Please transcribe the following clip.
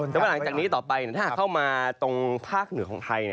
แต่ว่าหลังจากนี้ต่อไปถ้าหากเข้ามาตรงภาคเหนือของไทย